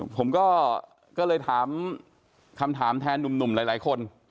ผมก็เลยถามคำถามแทนหนุ่มหลายคน